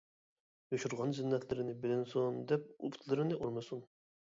يوشۇرغان زىننەتلىرىنى بىلىنسۇن دەپ پۇتلىرىنى ئۇرمىسۇن.